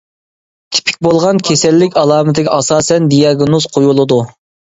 تىپىك بولغان كېسەللىك ئالامىتىگە ئاساسەن دىياگنوز قويۇلىدۇ.